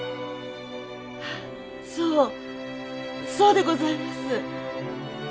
そうそうでございます。